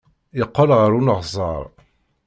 Yeqqel ɣer uneɣsar.